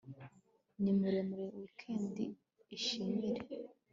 ni muri wikendi ishimire